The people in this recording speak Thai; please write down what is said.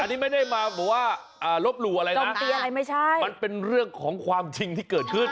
อันนี้ไม่ได้มาบอกว่าลบหลู่อะไรนะมันเป็นเรื่องของความจริงที่เกิดขึ้น